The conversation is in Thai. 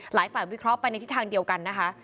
หลายฝ่ายวิเคราะห์ไปในทิศทางเดียวกันนะคะ